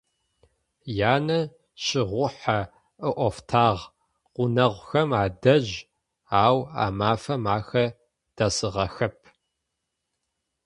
Янэ щыгъухьэ ыӏофтагъ гъунэгъухэм адэжь, ау а мафэм ахэр дэсыгъэхэп.